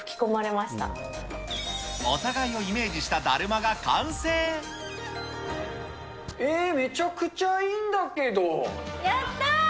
お互いをイメージしただるまえー、めちゃくちゃいいんだやったー！